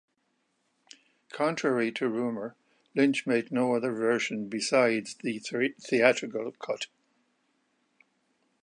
Contrary to rumor, Lynch made no other version besides the theatrical cut.